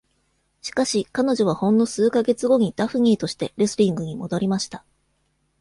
しかし、彼女はほんの数ヶ月後にダフニーとしてレスリングに戻りました。